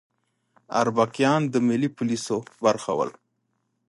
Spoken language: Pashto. اربکیان د ملي پولیسو برخه ول